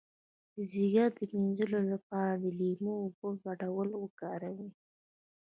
د ځیګر د مینځلو لپاره د لیمو او اوبو ګډول وکاروئ